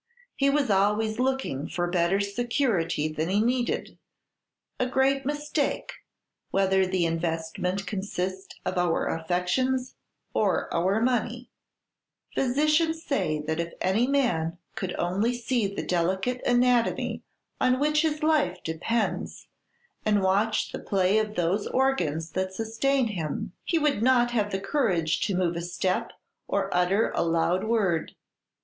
He was always looking for better security than he needed, a great mistake, whether the investment consist of our affections or our money. Physicians say that if any man could only see the delicate anatomy on which his life depends, and watch the play of those organs that sustain him, he would not have courage to move a step or utter a loud word.